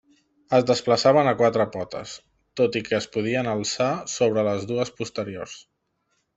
Es desplaçaven a quatre potes tot i que es podien alçar sobre les dues posteriors.